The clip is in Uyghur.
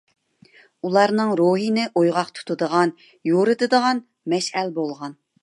ئۇلارنىڭ روھىنى ئويغاق تۇتىدىغان، يورۇتىدىغان مەشئەل بولغان.